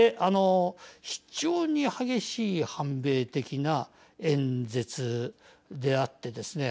非常に激しい反米的な演説であってですね